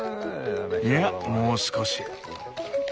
いやもう少し。